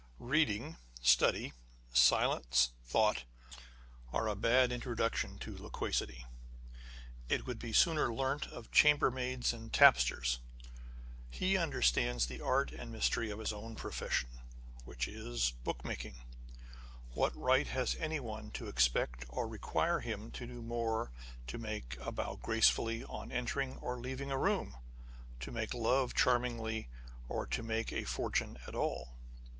Beading, study, silence, thought, are a bad introduction to loquacity. It would be sooner learnt of chambermaids and tapsters. He understands the art and mystery of his own profession, which is bookmaking : what right has anyone to expect or require him to do more â€" to make a bow gracefully on entering or leaving a room, to make love charmingly, or to make a fortune at all